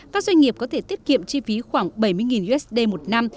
các doanh nghiệp có thể tiết kiệm chi phí khoảng bảy mươi usd một năm